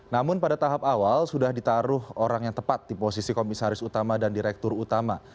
namun pada tahap awal sudah ditaruh orang yang tepat di posisi komisaris utama dan direktur utama